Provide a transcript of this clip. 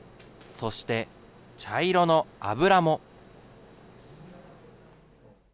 そして茶色の油も。